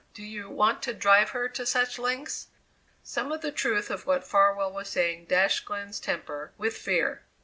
Do you want to drive her to such lengths?" Some of the truth of what Farwell was saying dashed Glenn's temper with fear.